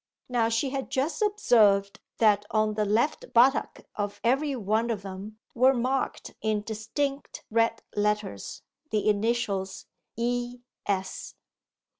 Now she had just observed that on the left buttock of every one of them were marked in distinct red letters the initials 'E. S.